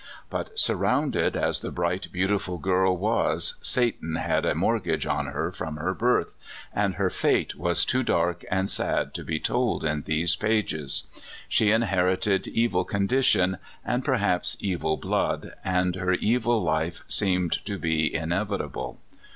But surrounded as the bright, beautiful girl was, Satan had a mort gage on her from her birth, and her fate was too dark and sad to be told in these pages. She in herited evil condition, and perhaps evil blood, and her evil life seemed to be inevitable.